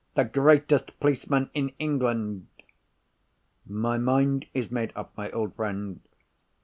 "The greatest policeman in England!" "My mind is made up, my old friend.